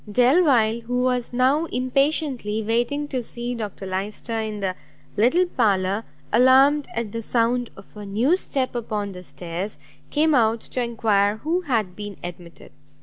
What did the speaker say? Delvile, who was now impatiently waiting to see Dr Lyster in the little parlour, alarmed at the sound of a new step upon the stairs, came out to enquire who had been admitted.